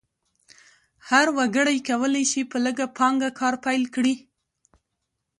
هر وګړی کولی شي په لږه پانګه کار پیل کړي.